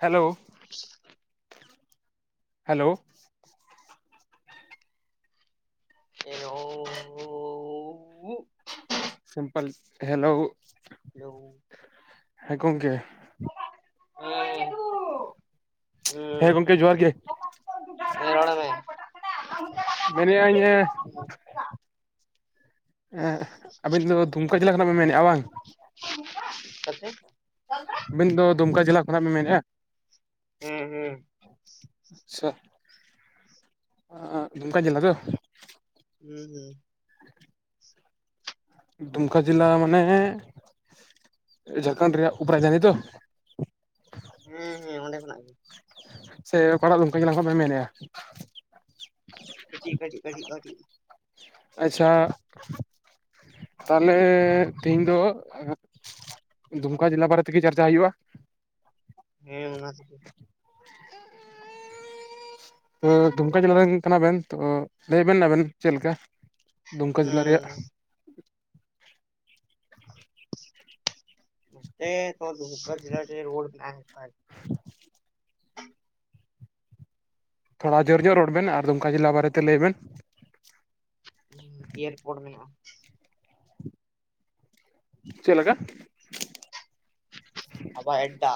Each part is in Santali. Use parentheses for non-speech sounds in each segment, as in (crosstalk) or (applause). Hello. (inaudible) Hello. Hello simple hello. Hello. ᱦᱮᱸ ᱜᱚᱝᱠᱮ᱾ ᱦᱮᱸ ᱦᱩᱸ᱾ ᱜᱚᱝᱠᱮ ᱦᱮᱸ ᱡᱚᱦᱟᱨ ᱜᱮ ᱨᱚᱲ ᱢᱮ᱾ ᱢᱮᱱᱮᱟᱹᱧ ᱮᱸᱜ ᱟᱵᱤᱱ ᱫᱚ ᱫᱩᱢᱠᱟᱹ ᱡᱮᱞᱟ ᱠᱷᱚᱱᱟᱜ ᱵᱤᱱ ᱢᱮᱱᱮᱜᱼᱟ ᱵᱟᱝ? (inaudible) ᱟᱵᱤᱱ ᱫᱚ ᱫᱩᱢᱠᱟ ᱡᱮᱞᱟ ᱠᱷᱚᱱᱟᱜ ᱵᱤᱱ ᱢᱮᱱᱮᱜᱼᱟ? ᱦᱮᱸ ᱦᱮᱸ᱾ ᱟᱪᱪᱷᱟ᱾ ᱫᱩᱢᱠᱟ ᱡᱮᱞᱟ ᱫᱚ? (unintelligible) ᱫᱩᱢᱠᱟ ᱡᱮᱞᱟ ᱢᱟᱱᱮ, ᱡᱷᱟᱲᱠᱷᱟᱱᱰ ᱨᱮᱭᱟᱜ ᱩᱵᱨᱟᱡᱟᱱᱤ ᱛᱚ? ᱦᱮᱸ ᱦᱮᱸ ᱚᱸᱰᱮ ᱠᱷᱚᱱᱟᱜ ᱜᱮ᱾ ᱥᱮ ᱚᱠᱟᱴᱟᱜ ᱫᱩᱢᱠᱟ ᱡᱮᱞᱟ ᱠᱷᱚᱱ ᱵᱮᱱ ᱢᱮᱱᱮᱜᱼᱟ? ᱠᱟᱹᱴᱤᱡ ᱠᱟᱹᱴᱤᱡ ᱠᱟᱹᱴᱤᱡ ᱟᱹᱴᱤᱡ᱾ ᱟᱪᱪᱷᱟ᱾ ᱛᱟᱦᱚ ᱞᱮ ᱛᱤᱦᱤᱧ ᱫᱚ ᱫᱩᱢᱠᱟ ᱡᱮᱞᱟ ᱵᱟᱨᱮ ᱛᱮᱜᱮ ᱪᱟᱨᱪᱟ ᱦᱩᱭᱩᱜᱼᱟ᱾ ᱦᱮᱸ ᱚᱱᱟ ᱪᱤᱠᱩ᱾ ᱦᱳᱭ ᱫᱩᱢᱠᱟ ᱡᱟᱞᱟ ᱨᱮᱱ ᱠᱟᱱᱟ ᱵᱮᱱ ᱛᱚ ᱞᱟᱹᱭ ᱵᱮᱱ ᱟᱵᱮᱱ ᱪᱮᱫ ᱞᱮᱠᱟ? ᱫᱩᱢᱠᱟ ᱡᱮᱞᱟ ᱨᱮᱭᱟᱜ᱾ ᱦᱩᱸ ᱱᱚᱛᱮ ᱫᱩᱢᱠᱟ ᱡᱮᱞᱟ ᱨᱮᱱ ᱦᱚᱲ ᱢᱮᱱᱟᱜ ᱠᱚ ᱠᱷᱟᱡ᱾ (inaudible) (unintelligible) ᱛᱷᱚᱲᱟ ᱡᱟᱹᱨ ᱧᱚᱜ ᱨᱚᱲ ᱵᱮᱱ ᱟᱨ ᱫᱩᱢᱠᱟ ᱡᱮᱞᱟ ᱵᱟᱨᱮ ᱛᱮ ᱞᱟᱹᱭ ᱵᱮᱱ᱾ ᱩᱸ ᱮᱭᱟᱨᱯᱳᱨᱴ ᱢᱮᱱᱟᱜ-ᱟ᱾ ᱪᱮᱫ ᱞᱮᱠᱟ? ᱦᱟᱵᱟᱭ ᱟᱰᱰᱟ᱾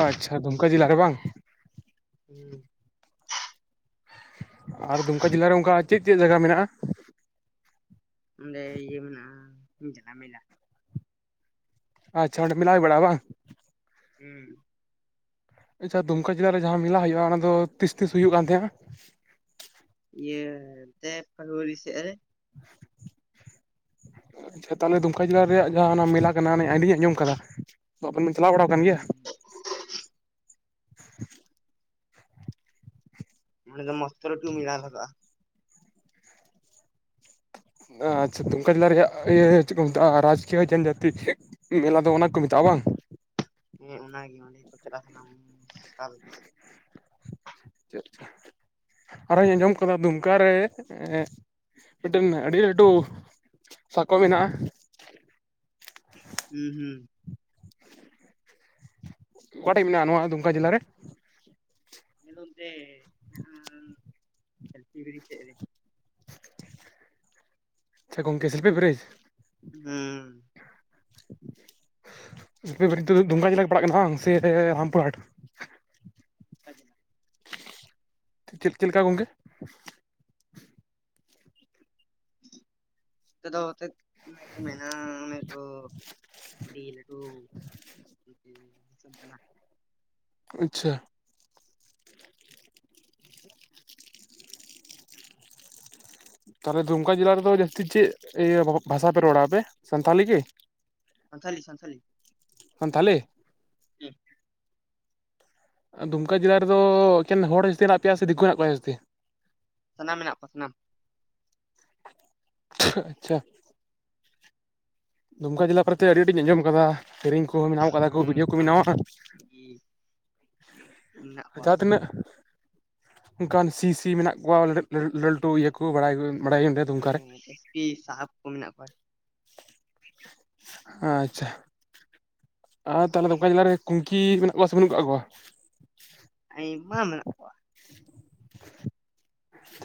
ᱟᱪᱪᱷᱟ ᱫᱩᱢᱠᱟ ᱡᱮᱞᱟ ᱨᱮ ᱵᱟᱝ? ᱦᱩᱸ ᱟᱨ ᱫᱩᱢᱠᱟ ᱡᱮᱞᱟᱮ ᱚᱱᱠᱟ ᱪᱮᱫ ᱪᱮᱫ ᱡᱟᱭᱜᱟ ᱢᱮᱱᱟᱜᱼᱟ? ᱚᱸᱰᱮ ᱤᱭᱟᱹ ᱢᱮᱱᱟᱜᱼᱟ ᱡᱷᱟᱢᱮᱞᱟ᱾ ᱟᱪᱪᱷᱟ ᱚᱸᱰᱮ ᱡᱮᱞᱟ ᱦᱩᱭ ᱵᱟᱲᱟ ᱵᱟᱝ᱾ ᱦᱩᱸ ᱟᱪᱪᱷᱟ ᱫᱩᱢᱠᱟ ᱡᱮᱞᱟ ᱨᱮ ᱡᱟᱦᱟᱸ ᱢᱮᱞᱟ ᱦᱩᱭᱩᱜᱼᱟ, ᱚᱱᱟ ᱫᱚ ᱛᱤᱥ ᱛᱤᱥ ᱦᱩᱭᱩᱜ ᱠᱟᱱ ᱛᱟᱸᱦᱮᱱᱟ? ᱤᱭᱟᱹ ᱰ (unintelligible) ᱯᱷᱨᱩᱟᱨᱤ ᱥᱮᱫ ᱨᱮ᱾ ᱟᱪᱪᱷᱟ, ᱛᱟᱦᱞᱮ ᱫᱩᱢᱠᱟ ᱡᱮᱞᱟ ᱨᱮᱭᱟᱜ ᱡᱟᱦᱟᱸ ᱢᱮᱞᱟ ᱠᱟᱱᱟ᱾ ᱟᱹᱰᱤᱧ ᱟᱸᱡᱚᱢ ᱟᱠᱟᱫᱟ ᱛᱚ ᱟᱵᱮᱱ ᱪᱟᱞᱟᱣ ᱵᱟᱲᱟᱣ ᱟᱠᱟᱱ ᱜᱮᱭᱟ᱾ ᱦᱩᱸ ᱢ (unintelligible) ᱫᱚ ᱢᱚᱥᱛᱚᱨ ᱴᱩ ᱢᱤᱞᱟᱜᱫᱟ᱾ ᱟᱪᱪᱷᱟ ᱛᱢᱠᱟ ᱡᱮᱞᱟ ᱤᱭᱟᱹ ᱪᱮᱫ ᱠᱚ ᱢᱮᱛᱟᱜ-ᱟ, ᱨᱟᱠᱤᱭ ᱡᱚᱱᱚᱛᱡᱟᱛᱤ? ᱢᱮᱞᱟ ᱫᱚ ᱚᱱᱟ ᱠᱚ ᱢᱮᱛᱟᱜᱼᱟ ᱵᱟᱝ᱾ ᱦᱮᱸ ᱚᱱᱟᱜᱮ ᱚᱸᱰᱮ ᱠᱚ ᱪᱟᱞᱟᱜ ᱥᱟᱱᱟ᱾ (unintelligible) ᱪᱮᱫ? ᱟᱨ ᱦᱚᱸᱧ ᱟᱸᱡᱚᱢ ᱠᱟᱫᱟ ᱫᱩᱢᱠᱟ ᱨᱮ, ᱢᱤᱫᱴᱮᱱ ᱟᱹᱰᱤ ᱞᱟᱹᱴᱩ ᱥᱟᱠᱚᱢ ᱢᱮᱱᱟᱜᱼᱟ᱾ ᱦᱩᱸ ᱦᱩᱸ᱾ ᱚᱠᱟᱴᱮᱱ ᱢᱮᱱᱟᱜᱼᱟ, ᱱᱚᱣᱟ ᱫᱩᱢᱠᱟ ᱡᱮᱞᱟ ᱨᱮ? ᱧᱮᱞᱚᱢ ᱛᱮ ᱦᱮᱱᱟᱜᱼᱟ, ᱥᱚᱞᱯᱤ ᱵᱤᱨᱤ ᱥᱮᱫ ᱨᱮ᱾ ᱟᱪᱷᱟ ᱜᱚᱢᱠᱮ ᱥᱮᱞᱯᱤ ᱵᱮᱨᱮᱡᱽ᱾ ᱦᱩᱸ᱾ ᱱᱤᱛ ᱫᱩᱢᱜᱟ ᱡᱮᱞᱟ ᱜᱮ ᱯᱟᱲᱟᱜ ᱠᱟᱱᱟ ᱥᱮ ᱨᱟᱢᱯᱩᱨᱦᱟᱴ᱾ (inaudible) ᱪᱮᱫ ᱪᱮᱫ ᱞᱮᱠᱟ ᱜᱚᱢᱠᱮ? ᱪᱮᱫ ᱫᱚ ᱪᱮᱫ? ᱢᱮᱱᱟ ᱠᱚ ᱢᱮᱱᱟ ᱟᱹᱰᱤ ᱞᱟᱹᱴᱩ᱾ ᱫᱤᱥᱚᱢ ᱠᱟᱱᱟ᱾ ᱟᱪᱪᱷᱟ᱾ ᱛᱟᱦᱚᱞᱮ ᱫᱩᱢᱠᱟ ᱡᱮᱞᱟ ᱨᱮᱫᱚ ᱡᱟᱹᱥᱛᱤ ᱪᱮᱫ ᱤᱭᱟᱹ ᱵᱷᱟᱥᱟ ᱯᱮ ᱨᱚᱲᱟᱯᱮ ᱥᱟᱱᱛᱟᱞᱤ ᱜᱮᱤ? ᱥᱟᱱᱛᱷᱟᱞᱤ ᱥᱟᱱᱛᱷᱟᱞᱤ᱾ ᱥᱟᱱᱛᱷᱟᱞᱤ ᱾ ᱦᱩᱸ ᱫᱩᱢᱠᱟ ᱡᱮᱞᱟ ᱨᱮᱫᱚ ᱮᱠᱮᱱ ᱦᱚᱲ ᱡᱟᱹᱥᱛᱤ ᱢᱮᱱᱟᱜ ᱯᱮᱭᱟ ᱥᱮ, ᱫᱤᱠᱩ ᱦᱮᱱᱟᱜ ᱠᱚᱣᱟ ᱡᱟᱹᱥᱛᱤ? ᱥᱟᱱᱟᱢ ᱢᱮᱱᱟᱜ ᱠᱚᱣᱟ ᱥᱟᱱᱟᱢ᱾ ᱟᱪᱪᱷᱟ᱾ ᱫᱩᱢᱠᱟ ᱡᱮᱞᱟ ᱠᱚᱨᱮᱛᱮ ᱟᱹᱰᱤ ᱟᱸᱴᱤᱧ ᱟᱸᱡᱚᱢ ᱟᱠᱟᱫᱟ ᱥᱤᱨᱮᱧ ᱠᱩ᱾ ᱵᱮᱱᱟᱣ ᱠᱟᱫᱟ ᱠᱚ ᱦᱮᱸ ᱵᱷᱤᱰᱭᱳ ᱠᱚ ᱥᱟᱱᱟᱢ ᱵᱮᱱᱟᱣᱟ ᱢᱮᱱᱟᱜ ᱠᱚᱣᱟ ᱡᱟᱦᱟ ᱛᱤᱱᱟᱹᱜ ᱚᱱᱠᱟᱱ ᱥᱤ ᱥᱤ ᱢᱮᱱᱟᱜ ᱠᱚᱣᱟ᱾ ᱞᱟᱹᱴᱩ ᱤᱭᱟᱹ ᱠᱩ ᱵᱟᱲᱟᱭ ᱵᱟᱲᱟᱭ ᱚᱸᱰᱮᱼᱼ ᱦᱚ ᱮᱥᱯᱤ ᱥᱟᱦᱮᱵ ᱠᱚ ᱢᱮᱱᱟᱜ ᱠᱚᱣᱟ᱾ ᱟᱪᱪᱷᱟ᱾ ᱟᱨ ᱛᱟᱦᱚᱞᱮ ᱫᱩᱢᱠᱟ ᱡᱮᱞᱟ ᱨᱮ, ᱠᱩᱝᱠᱤ ᱢᱮᱱᱟᱜ ᱠᱚᱣᱟ ᱥᱮ ᱵᱟᱹᱱᱩᱜ ᱠᱟᱜ ᱠᱚᱣᱟ? ᱟᱭᱢᱟ ᱢᱮᱱᱟᱜ ᱠᱚᱣᱟ (inaudible)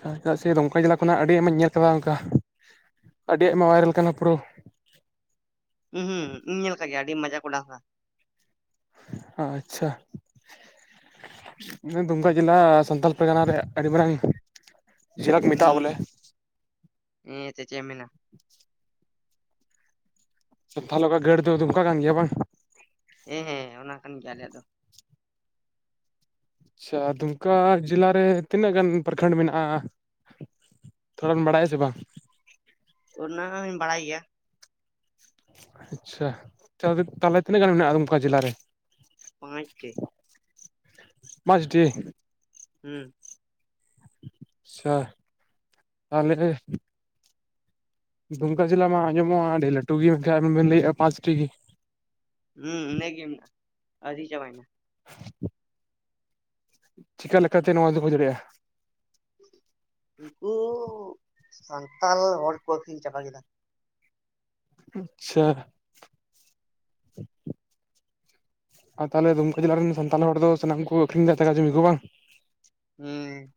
ᱟᱪ ᱪᱮᱫᱟᱜ ᱥᱮ ᱫᱚᱝᱠᱟ ᱡᱮᱞᱟ ᱠᱷᱚᱱᱟᱜ ᱟᱹᱰᱤ ᱟᱭᱢᱟᱧ ᱧᱮᱞ ᱟᱠᱟᱫᱟ᱾ ᱚᱱᱠᱟ ᱟᱹᱰᱤ ᱟᱭᱢᱟ ᱵᱷᱟᱭᱨᱟᱞ ᱠᱟᱱᱟ᱾ ᱯᱩᱨᱟᱹ ᱦᱩᱸ ᱦᱩᱸ ᱤᱧ ᱧᱮᱞ ᱠᱟᱜ ᱜᱮᱭᱟ ᱾ᱟᱹᱰᱤ ᱢᱚᱡᱟ ᱠᱚᱰᱟᱥᱟ, ᱟᱪᱪᱷᱟ᱾ ᱱᱚ ᱫᱩᱢᱠᱟ ᱡᱮᱞᱟ ᱥᱟᱱᱛᱟᱞ ᱯᱟᱨᱜᱟᱱᱟ ᱨᱮ ᱟᱹᱰᱤ ᱢᱟᱨᱟᱝᱼᱼ ᱦᱩᱸ, ᱦᱮᱸ ᱪᱮ ᱪᱮ ᱢᱮᱱᱟ? ᱥᱟᱱᱛᱟᱞ ᱜᱟᱹᱲ ᱫᱚ ᱫᱩᱝᱠᱟ ᱠᱟᱱ ᱜᱮᱭᱟ ᱵᱟᱝ? ᱦᱮᱸ ᱦᱮᱸ, ᱚᱱᱟ ᱠᱟᱱ ᱜᱮᱭᱟ ᱟᱞᱮᱭᱟᱜ ᱫᱚ᱾ ᱟᱪᱪᱷᱟ, ᱫᱩᱢᱠᱟ ᱡᱮᱞᱟᱨᱮ ᱛᱤᱱᱟᱹᱜ ᱜᱟᱱ ᱯᱨᱟᱠᱷᱚᱸᱰ ᱢᱮᱱᱟᱜᱼᱟ? ᱛᱷᱚᱲᱟ ᱵᱟᱲᱟᱭ ᱥᱮ ᱵᱟ? ᱚᱱᱟ ᱦᱚᱸᱧ ᱵᱟᱲᱟᱭ ᱜᱮᱭᱟ᱾ ᱟᱪᱪᱷᱟ, ᱛᱟᱦᱚᱞᱮ ᱛᱤᱱᱟᱹᱜ ᱜᱟᱱ ᱢᱮᱱᱟᱜᱼᱟ, ᱚᱱᱠᱟ ᱡᱮᱞᱟ ᱨᱮ? ᱯᱟᱸᱪ ᱴᱤ᱾ ᱢᱟᱡᱽ ᱴᱤ ᱦᱩᱸ ᱟᱪᱪᱷᱟ, ᱛᱟᱦᱞᱮᱠᱷᱟᱪ ᱫᱩᱢᱠᱟᱹ ᱡᱤᱞᱟᱹ ᱢᱟ ᱟᱸᱡᱚᱢᱚᱜᱼᱟ ᱟᱹᱰᱤ ᱞᱟᱹᱴᱩ ᱜᱤᱭᱟ, ᱟᱵᱤ ᱵᱤᱱ ᱞᱟᱹᱭᱮᱼᱟ ᱯᱟᱸᱪ ᱴᱤ, ᱦᱩᱸ ᱱᱤᱭᱟᱹ ᱜᱤ ᱢᱮᱱᱟᱜ-ᱟ ᱟᱣᱹᱨᱤ ᱪᱟᱵᱟ ᱮᱱᱟ, (inaudible) ᱪᱤᱠᱟ ᱞᱮᱠᱟᱛᱮ ᱱᱚᱣᱟ ᱫᱚ ᱦᱩᱭ ᱫᱟᱲᱮᱭᱟᱜᱼᱟ, ᱱᱩᱝᱠᱩ ᱥᱟᱱᱛᱟᱞ ᱦᱚᱲ ᱠᱚ ᱟᱹᱠᱷᱨᱤᱧ ᱪᱟᱵᱟ ᱠᱮᱫᱟ, ᱟᱪᱪᱷᱟ, ᱟᱨ ᱛᱟᱦᱚᱞᱮ ᱫᱩᱢᱠᱟᱹ ᱡᱤᱞᱟᱹ ᱨᱮᱱ ᱥᱟᱱᱛᱟᱞ ᱦᱚᱲ ᱫᱚ ᱥᱟᱱᱟᱢ ᱠᱚ ᱟᱹᱷᱨᱤᱧ ᱮᱫᱟ ᱡᱟᱹᱜᱷᱟ ᱡᱚᱢᱤ ᱠᱚ ᱵᱟᱝ? ᱦᱩᱸ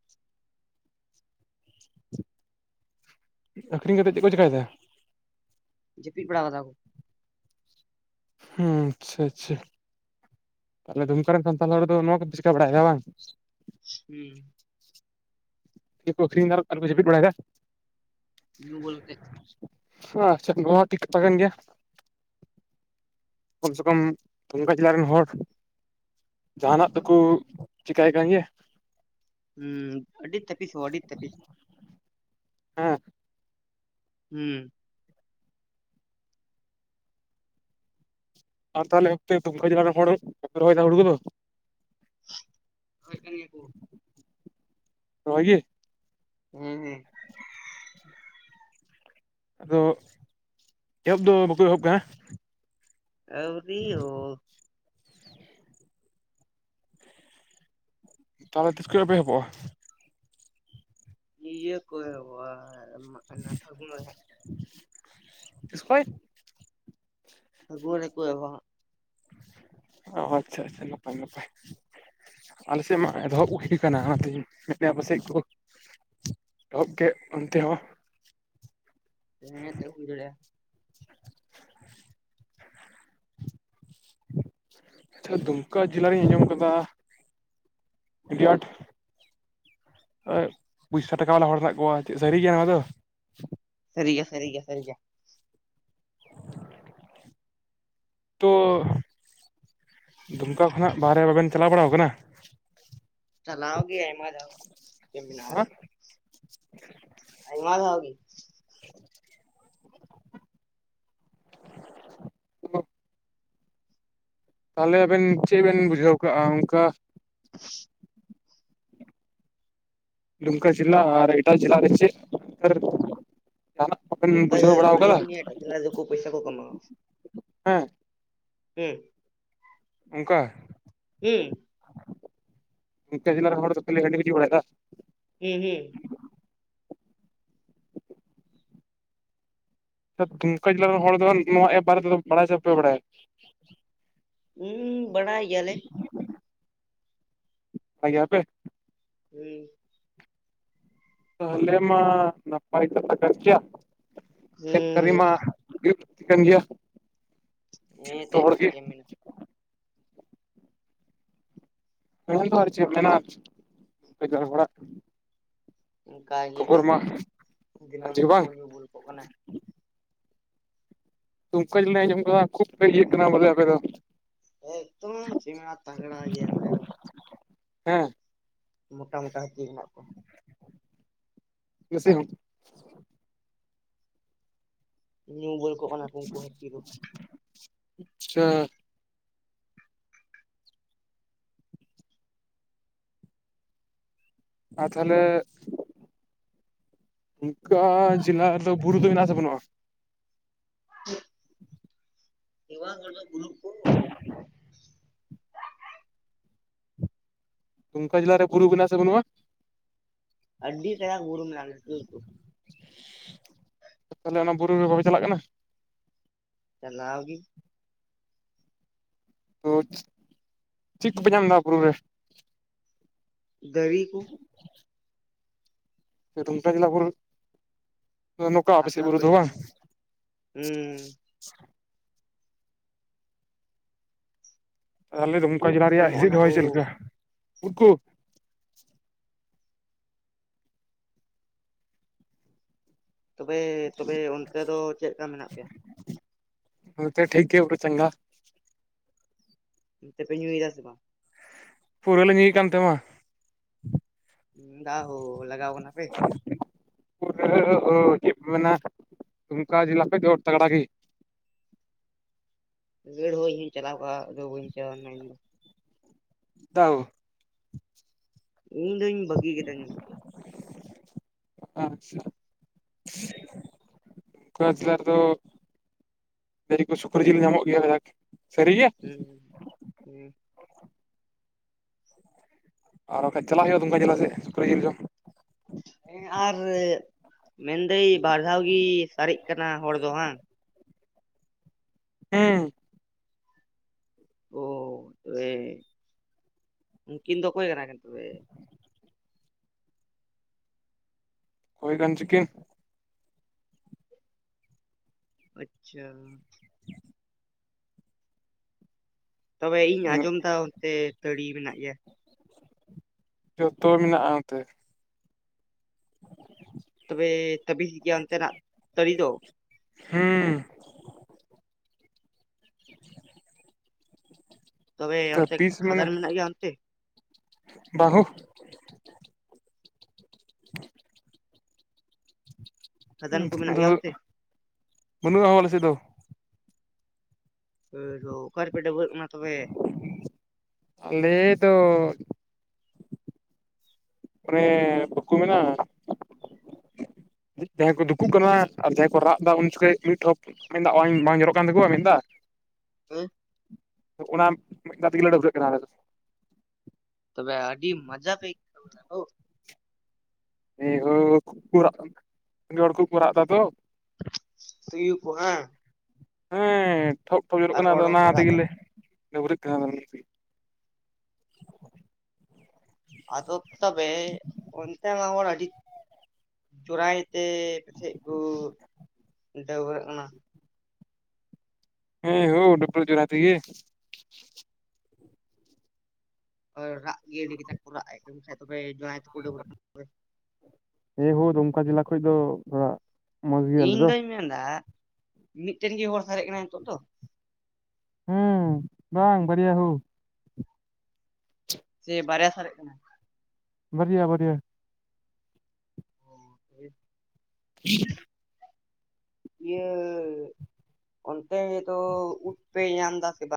ᱟᱹᱠᱷᱨᱤᱧ ᱠᱟᱛᱮᱫ ᱪᱮᱫ ᱠᱚ ᱪᱮᱠᱟᱭ ᱮᱫᱟ? ᱡᱟᱹᱯᱤᱫ ᱵᱟᱲᱟ ᱟᱠᱟᱫᱟ ᱠᱚ, ᱦᱩᱸ ᱟᱪᱪᱷᱟ, ᱟᱪᱪᱷᱟ ᱟᱞᱮ ᱫᱩᱢᱠᱟᱹ ᱨᱮᱱ ᱥᱟᱱᱛᱟᱞ ᱦᱚᱲ ᱫᱚ ᱱᱚᱣᱟ ᱠᱚ ᱪᱤᱠᱟᱹ ᱵᱟᱲᱟᱭ ᱮᱫᱟ ᱵᱟᱝ, ᱦᱩᱸ ᱪᱮᱫ ᱠᱚ ᱟᱹᱠᱷᱨᱤᱧ ᱮᱫᱟ, ᱟᱨ ᱠᱚ ᱡᱟᱹᱯᱤᱫ ᱵᱟᱲᱟᱭᱮᱫᱟ᱾ ᱧᱩ ᱵᱩᱞ ᱠᱟᱛᱮ, ᱟᱪᱷᱟ ᱱᱚᱣᱟ ᱴᱷᱤᱠ ᱠᱟᱛᱷᱟ ᱠᱟᱱ ᱜᱮᱭᱟ, ᱠᱚᱢ ᱥᱮ ᱠᱚᱢ ᱫᱩᱢᱠᱟᱹ ᱡᱤᱞᱟᱹ ᱨᱮᱱ ᱦᱚᱲ, ᱡᱟᱦᱟᱱᱟᱜ ᱫᱚᱠᱚ ᱛᱟᱹᱯᱤᱥ ᱜᱮᱭᱟ ᱠᱚ ᱪᱤᱠᱟᱭ ᱠᱟᱱ ᱜᱮᱭᱟ᱾ ᱦᱩᱸ, ᱟᱹᱰᱤ ᱛᱟᱹᱯᱤᱥᱚᱜ ᱟᱹᱰᱤ ᱛᱟᱹᱯᱤᱥ, ᱦᱮᱸ ᱦᱩᱸ ᱟᱨ ᱛᱟᱦᱚᱞᱮ ᱫᱩᱢᱠᱟ ᱡᱤᱞᱟ ᱨᱮᱱ ᱦᱚᱲ ᱵᱟᱠᱚ ᱨᱚᱦᱚᱭ ᱮᱫᱟ ᱦᱩᱲᱩ ᱠᱚᱫᱚ ᱨᱚᱦᱚᱭᱮᱫ ᱠᱟᱱ ᱜᱮᱭᱟ ᱠᱩ ᱨᱚᱦᱚᱭ ᱜᱤ ᱦᱮᱸ ᱦᱮᱸ ᱟᱫᱚ ᱮᱦᱚᱵ ᱫᱚ ᱵᱟᱠᱚ ᱮᱦᱚᱵ ᱠᱟᱜ-ᱟ ᱟᱹᱣᱨᱤ ᱦᱩᱫᱽ ᱛᱟᱦᱚᱞᱮ ᱛᱤᱥ ᱠᱷᱚᱭ ᱯᱮ ᱮᱦᱚᱵᱚᱜ-ᱟ ᱤᱭᱟᱹ ᱠᱷᱚᱭ ᱮᱦᱚᱵᱚᱜ ᱟ ᱢᱟᱠᱷᱟᱱᱟ ᱯᱷᱟᱹᱜᱩᱱ ᱢᱟᱦᱟ ᱛᱤᱥ ᱠᱷᱚᱡ ᱯᱷᱟᱜᱩᱣᱟᱹ ᱨᱮ ᱠᱚ ᱮᱦᱚᱵᱚᱜ-ᱟ ᱦᱟᱸᱜ ᱟᱪᱪᱷᱟ ᱟᱪᱪᱷᱟ ᱱᱟᱯᱟᱭ ᱱᱟᱯᱟᱭ ᱟᱞᱮ ᱥᱮᱫ ᱢᱟ ᱮᱛᱚᱦᱚᱵ ᱤᱫᱤ ᱟᱠᱟᱱᱟ ᱟᱯᱮ ᱱᱟᱥᱮᱭᱟ ᱟᱯᱮ ᱥᱮᱫ ᱠᱚ ᱮᱦᱚᱵ ᱠᱮᱫᱽ ᱚᱱᱛᱮ ᱦᱚᱸ ᱦᱮ ᱛᱮ ᱦᱩᱭ ᱫᱟᱲᱮᱭᱟᱜ-ᱟ ᱾ ᱟᱪᱪᱷᱟ ᱫᱩᱢᱠᱟ ᱡᱤᱞᱟ ᱨᱤᱧ ᱟᱸᱡᱚᱢ ᱟᱠᱟᱫᱟ ᱟᱹᱰᱤ ᱟᱴ ᱯᱩᱭᱥᱟᱹ ᱴᱟᱠᱟ ᱵᱟᱞᱟ ᱦᱚᱲ ᱦᱮᱱᱟᱜ ᱠᱚᱣᱟ ᱪᱮᱫ ᱥᱟᱹᱨᱤ ᱜᱮᱭᱟ ᱱᱚᱣᱟ ᱫᱚ ᱥᱟᱹᱨᱤ ᱜᱮᱭᱟ ᱥᱟᱹᱨᱤ ᱜᱮᱭᱟ ᱥᱟᱹᱨᱤ ᱜᱮᱭᱟ (inaudible) ᱛᱚ ᱫᱩᱢᱠᱟ ᱠᱷᱚᱱᱟᱜ ᱵᱟᱨᱦᱮ ᱵᱟᱵᱮᱱ ᱪᱟᱞᱟᱣ ᱵᱟᱲᱟᱣ ᱟᱠᱟᱱᱟ ᱪᱟᱞᱟᱣ ᱜᱮ ᱟᱭᱢᱟ ᱫᱷᱟᱣ, ᱪᱮᱫ ᱮᱢ ᱢᱮᱱᱟ ᱟᱨ ᱦᱮᱸ ᱟᱭᱢᱟ ᱫᱷᱟᱣ ᱜᱤ ᱛᱟᱦᱚᱞᱮ ᱟᱵᱮᱱ ᱪᱮᱫ ᱵᱮᱱ ᱵᱩᱡᱷᱟᱹᱣ ᱠᱟᱜᱼᱟ ᱚᱝᱠᱟ (inaudible) ᱫᱩᱢᱠᱟ ᱡᱤᱞᱟ ᱟᱨ ᱮᱴᱟᱜ ᱡᱤᱞᱟ ᱨᱮ ᱪᱮᱫ ᱯᱟᱨᱛᱷᱚᱠᱠᱚ ᱫᱩᱢᱠᱟ ᱡᱤᱞᱟ ᱦᱟᱹᱰᱤ ᱠᱩ ᱧᱩᱭᱟ ᱛᱚ (unintelligible) ᱯᱩᱭᱥᱟ ᱠᱩ ᱠᱟᱢᱟᱣᱟ ᱦᱮᱸ (inaudible) ᱠᱮ, ᱚᱱᱠᱟ, ᱦᱩᱸ, ᱫᱩᱢᱠᱟ ᱡᱤᱞᱟ ᱨᱮᱱ ᱦᱚᱲ ᱫᱚ (unintelligible) ᱦᱩᱸ ᱦᱩᱸ, ᱫᱩᱢᱠᱟ ᱡᱮᱞᱟ ᱨᱮᱱ ᱦᱚᱲ ᱫᱚ ᱱᱚᱣᱟ ᱮᱯ ᱵᱟᱨᱮ ᱛᱮᱫᱚ ᱵᱟᱲᱟᱭ ᱟᱯᱮ ᱥᱮ ᱵᱟᱯᱮ ᱵᱟᱲᱟᱭᱟ? ᱦᱩᱸ ᱵᱟᱲᱟᱭ ᱜᱮᱭᱟ ᱞᱮ᱾ ᱵᱟᱲᱟᱭ ᱜᱮᱭᱟ ᱯᱮ, ᱦᱩᱸ, ᱛᱟᱞᱦᱮ ᱢᱟ ᱱᱟᱯᱟᱭ ᱠᱟᱛᱷᱟ ᱠᱟᱱ ᱜᱮᱭᱟ (unintelligible) (unintelligible) ᱜᱮᱭᱟ, ᱦᱮᱸ ᱡᱚᱛᱚ ᱛᱮᱫ ᱦᱚᱲ ᱜᱮ ᱪᱮᱫ ᱮᱢ ᱢᱮᱱᱟ, ᱩᱱ ᱫᱚ ᱟᱨ ᱪᱮᱫ ᱮᱢ ᱢᱮᱱᱟ (unintelligible) ᱚᱱᱠᱟ ᱜᱮ ᱠᱷᱚᱵᱚᱨ ᱮᱱᱛᱮᱜ ᱢᱟ ᱫᱤᱱᱟᱹᱢ ᱡᱮ ᱠᱚ ᱵᱟᱝ ᱧᱩ ᱵᱩᱞ ᱠᱚᱜ ᱠᱟᱱᱟ, ᱫᱩᱢᱠᱟᱹ ᱡᱮᱞᱟ ᱟᱸᱡᱚᱢ ᱠᱷᱩᱵ ᱤᱭᱟᱹᱜ ᱠᱟᱱᱟ ᱵᱚᱞᱮ ᱟᱯᱮ ᱫᱚ, ᱮᱠᱫᱚᱢ ᱪᱤᱢᱲᱟ ᱛᱟᱜᱲᱟ ᱜᱮᱭᱟ ᱟᱫᱚ, ᱦᱮᱸ, ᱢᱚᱴᱟ ᱢᱚᱴᱟ ᱦᱟᱹᱛᱤ ᱦᱮᱱᱟᱜ ᱠᱚᱣᱟ ᱾ (unintelligible) ᱧᱩ ᱵᱳᱚᱞ ᱠᱚ ᱠᱟᱱᱟ ᱠᱚ ᱩᱱᱠᱩ ᱦᱟᱹᱛᱤ ᱫᱚ᱾ (unintelligible) ᱟᱨ ᱛᱟᱦᱚᱞᱮ ᱚᱱᱠᱟ ᱡᱮᱞᱟ ᱨᱮᱫᱚ ᱵᱩᱨᱩ ᱫᱚ ᱦᱮᱱᱟ ᱟᱥᱮ ᱵᱟᱹᱱᱩᱜ-ᱟ? (unintelligible) ᱦᱮᱣᱟ ᱦᱚᱲ ᱫᱚ (inaudible) ᱫᱩᱢᱠᱟ ᱡᱮᱞᱟ ᱨᱮ ᱵᱩᱨᱩ ᱢᱮᱱᱟᱜ ᱟᱥᱮ ᱵᱟᱹᱱᱩᱜ-ᱟ? ᱟᱹᱰᱤ ᱥᱮᱸᱬᱟ ᱵᱩᱨᱩ ᱢᱮᱱᱟᱜ-ᱟ ᱞᱟᱴᱩ ᱞᱟᱴᱩ (unintelligible) (unintelligible) ᱛᱟᱦᱚᱞᱮ ᱚᱱᱟ ᱵᱩᱨᱩ ᱨᱮ ᱵᱟᱠᱚ ᱪᱟᱞᱟᱜ ᱠᱟᱱᱟ? ᱪᱟᱞᱟᱣ ᱜᱤ, ᱛᱚ ᱪᱮᱫ ᱠᱚᱯᱮ ᱧᱟᱢ ᱫᱟ ᱵᱩᱨᱩ ᱨᱮ? ᱫᱟᱨᱤ ᱠᱩ᱾ ᱥᱮ (inaudible) ᱡᱮᱞᱟ ᱵᱩᱨᱩ, ᱱᱚᱝᱠᱟ ᱟᱯᱮ ᱥᱮᱫ ᱦᱟᱥᱟ ᱵᱩᱨᱩ ᱫᱚ ᱦᱩᱭᱱᱟ ᱵᱟᱝ ᱦᱩᱸ, ᱟᱞᱮ ᱫᱩᱢᱠᱟ ᱩᱫ ᱡᱮᱞᱟ ᱠᱚ ᱨᱮᱭᱟᱜ ᱧᱟᱢᱚᱜ ᱦᱸᱤᱥᱤᱫ ᱚᱱᱟ ᱦᱚᱭ ᱦᱳ ᱪᱮᱫ ᱞᱮᱠᱟ? (inaudible) ᱛᱚᱵᱮ ᱛᱚᱵᱮ ᱚᱱᱛᱮ ᱫᱚ ᱪᱮᱫᱠᱟ ᱢᱮᱱᱟᱜ ᱯᱮᱭᱟ? ᱦᱸᱟᱱᱛᱮ ᱴᱷᱤᱠ ᱜᱮᱭᱟ ᱯᱩᱨᱟᱹ ᱪᱟᱸᱝᱜᱟ, (unintelligible) ᱛᱮᱯᱮ ᱧᱩᱭ ᱫᱟ ᱥᱮ ᱵᱟᱝ? ᱯᱩᱨᱟᱹ ᱞᱮ ᱧᱩᱭ ᱠᱟᱱ ᱛᱟᱢᱟ, ᱦᱮᱸᱫᱟ ᱦᱳ ᱞᱟᱜᱟᱣ ᱠᱟᱱᱟ ᱯᱮ? (unintelligible) ᱪᱮᱫ ᱢᱮᱱᱟᱜ ᱫᱩᱡᱠᱟᱹ ᱡᱮᱞᱟ ᱠᱷᱚᱡ ᱫᱚ ᱛᱟᱜᱲᱟ ᱜᱮ, ᱜᱟᱹᱲ ᱦᱚᱦᱚ ᱤᱧ ᱪᱟᱞᱟᱣ ᱠᱚᱜ-ᱟ ᱟᱫᱚ ᱵᱟᱹᱧ ᱪᱟᱞᱟᱣ ᱞᱮᱱᱟ ᱤᱧ ᱫᱚ᱾ ᱛᱟᱣ ᱤᱧ ᱫᱚᱩᱧ ᱵᱟᱹᱜᱤ ᱠᱟᱫᱟ ᱧᱩ ᱾ (unintelligible) ᱫᱩᱢᱠᱟ ᱡᱮᱞᱟ ᱨᱮᱫᱚ ᱞᱟᱹᱭ ᱟᱠᱚ ᱥᱩᱠᱨᱤ ᱡᱤᱞ ᱧᱟᱢᱚᱜ ᱜᱮᱭᱟ ᱠᱟᱡᱟᱠ ᱥᱟᱹᱨᱤ ᱜᱮᱭᱟ? (inaudible) ᱟᱨ ᱵᱟᱠᱷᱟᱡ ᱪᱟᱞᱟ ᱦᱩᱭᱩᱜ-ᱟ ᱫᱩᱢᱠᱟ ᱡᱮᱞᱟ ᱥᱮᱫ ᱥᱩᱠᱨᱤ ᱡᱤᱞ ᱡᱚᱢ ᱾ ᱦᱮᱸ ᱟᱨ ᱢᱮᱱᱫᱟᱹᱧ ᱵᱟᱨ ᱫᱷᱟᱣ ᱜᱮ ᱥᱟᱨᱮᱡ ᱠᱟᱱᱟ ᱦᱚᱲ ᱫᱚ ᱵᱟᱝ? ᱦᱮᱸ, ᱚ ᱛᱚᱵᱮ ᱩᱱᱠᱤᱱ ᱫᱚ ᱚᱠᱚᱭ ᱠᱟᱱᱟ ᱠᱤᱱ ᱛᱚᱵᱮ? ᱚᱠᱚᱭ ᱠᱟᱱ ᱪᱚᱠᱤᱱ᱾ ᱟᱪᱪᱷᱟ ᱾ ᱛᱚᱵᱮ ᱤᱧ ᱟᱸᱡᱚᱢ ᱫᱟ ᱚᱱᱛᱮ ᱛᱟᱲᱤ ᱢᱮᱱᱟᱜ ᱜᱮᱭᱟ᱾ ᱡᱚᱛᱚ ᱢᱮᱱᱟᱜ-ᱟ ᱱᱛᱮ᱾ ᱛᱚᱵᱮ (inaudible) ᱜᱮᱭᱟ ᱚᱱᱛᱮᱱᱟᱜ ᱛᱟᱲᱤ ᱫᱚ᱾ ᱦᱮᱸ (unintelligible) ᱛᱚᱵᱮ ᱛᱚ ᱚᱱᱛᱮ ᱛᱤᱥ ᱢᱟᱱᱮ ᱠᱷᱟᱫᱟᱱ ᱢᱮᱱᱟᱜ ᱜᱮᱭᱟ ᱚᱱᱛᱮ ᱵᱟᱦᱩ (inaudible) ᱠᱷᱟᱫᱟᱱ ᱠᱚ ᱢᱮᱱᱟᱜ ᱜᱮᱭᱟ ᱚᱱᱛᱮ (unintelligible) ᱵᱟᱹᱱᱩᱜ-ᱟ ᱦᱳ ᱟᱞᱮᱥᱮᱫ ᱫᱚ᱾ (unintelligible) ᱚᱠᱟ ᱨᱮᱯᱮ ᱵᱟᱹᱵᱨᱟᱹᱜ ᱠᱟᱱᱟ ᱛᱚᱵᱮ? ᱟᱞᱮ ᱫᱚ ᱢᱟᱱᱮ ᱵᱟᱠᱩ ᱢᱮᱱᱟ ᱡᱟᱦᱟᱸᱭ ᱠᱚ ᱫᱩᱠᱩᱜ ᱠᱟᱱᱟ ᱟᱨ ᱡᱟᱦᱟᱸᱭ ᱠᱚ ᱨᱟᱜ ᱫᱟ ᱩᱱ ᱡᱚᱠᱷᱮᱡ ᱢᱤᱫ ᱴᱷᱚᱯ ᱢᱮᱱᱫᱟ (unintelligible) ᱵᱟᱝ ᱡᱚᱨᱚᱜ ᱠᱟᱱ ᱛᱟᱠᱚᱣᱟ ᱢᱮᱫ-ᱫᱟ᱾ (unintelligible) ᱚᱱᱟ ᱢᱮᱫ ᱫᱟᱜ ᱛᱮᱜᱮᱞᱮ ᱰᱟᱹᱵᱽᱨᱟᱹᱜ ᱠᱟᱱᱟ ᱟᱞᱮ ᱫᱚ᱾ ᱛᱚᱵᱮ ᱟᱹᱰᱤ ᱢᱟᱡᱟ ᱯᱮ ᱟᱹᱭᱠᱟᱹᱣᱫᱟ ᱦᱳ᱾ (unintelligible) ᱥᱟᱸᱜᱮ ᱦᱚᱲ ᱠᱩ ᱠᱚ ᱨᱟᱜ ᱫᱟ ᱛᱚ᱾ ᱛᱩᱭᱩ ᱠᱚ ᱦᱟᱸ᱾ ᱦᱮᱸ ᱴᱷᱚᱠ ᱴᱷᱚᱜ ᱡᱚᱨᱚᱜ ᱟᱨ ᱠᱟᱱᱟ ᱦᱚᱲ ᱟᱫᱚ ᱦᱚᱸᱠᱚ ᱚᱱᱟ ᱨᱟᱜ ᱮᱫᱟ ᱛᱮᱜᱮᱞᱮ ᱰᱟᱹᱵᱽᱨᱟᱹᱜ ᱠᱟᱱᱟᱞᱮ ᱟᱞᱮ ᱥᱮᱫ᱾ ᱟᱫᱚ ᱛᱚᱵᱮ ᱚᱱᱛᱮᱢᱟ ᱦᱚᱲ ᱟᱹᱰᱤ ᱪᱚᱨᱟᱭ ᱛᱮ ᱯᱟᱥᱮᱡ ᱠᱚ ᱰᱟᱹᱣᱨᱟᱹᱜ ᱠᱟᱱᱟ᱾ ᱦᱮᱸ ᱦᱳ ᱰᱟᱹᱯᱨᱟᱜ ᱡᱚᱨᱟᱭ ᱛᱮᱸᱜᱮ᱾ ᱟᱨ ᱨᱟᱜ ᱜᱮ ᱟᱹᱰᱤ ᱠᱟᱡᱟᱠ ᱠᱚ ᱨᱟᱜ ᱮᱫ ᱠᱟᱱ ᱠᱷᱟᱡ ᱫᱚ ᱛᱚᱵᱮ ᱡᱚᱸᱭᱟᱭ ᱛᱮᱠᱚ ᱰᱟᱹᱵᱨᱟᱜ ᱮ ᱦᱳ ᱫᱩᱢᱠᱟ ᱡᱮᱞᱟ ᱠᱷᱚᱡ ᱫᱚ ᱛᱷᱚᱲᱟ ᱢᱚᱸᱡᱽ ᱜᱮᱭᱟᱞᱮ ᱤᱧ ᱫᱚ ᱫᱚᱧ ᱢᱮᱱᱫᱟ ᱢᱤᱫᱴᱮᱱ ᱜᱮ ᱦᱚᱲ ᱥᱟᱨᱮᱡ ᱠᱟᱱᱟᱭ ᱱᱤᱛᱚᱜ ᱫᱚ? ᱦᱩᱸ ᱵᱟᱝ ᱵᱟᱨᱭᱟ ᱦᱳ᱾ ᱥᱮ ᱵᱟᱨᱭᱟ ᱥᱟᱨᱮᱡ ᱠᱟᱱᱟᱭ? ᱵᱟᱨᱭᱟ ᱵᱟᱨᱭᱟ᱾ (unintelligible) (inaudible) ᱤᱭᱟᱹ ᱚᱱᱛᱮ ᱜᱮ ᱫᱚ ᱩᱫᱽ ᱯᱮ ᱧᱟᱢ ᱮᱫᱟ ᱥᱮ ᱵᱟᱝ?